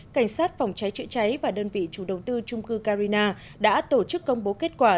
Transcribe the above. cảnh sát phòng cháy chữa cháy và đơn vị chủ đầu tư trung cư carina đã tổ chức công bố kết quả